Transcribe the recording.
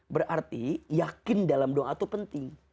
berarti yakin dalam doa itu penting